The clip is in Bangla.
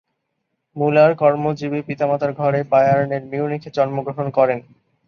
মুলার কর্মজীবী পিতামাতার ঘরে বায়ার্ন-এর মিউনিখে জন্মগ্রহণ করেন।